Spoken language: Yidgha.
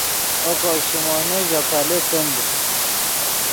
اوکو شیمونے ژے پیلے تند